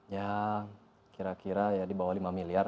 ya kira kira ya di bawah lima miliar